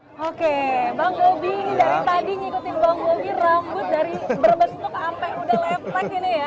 oke bang gobi dari tadi nyikutin bang gobi rambut dari berbestuk sampai udah lepek gini ya